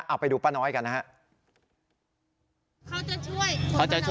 เอาไปดูป้าน้อยกันนะฮะ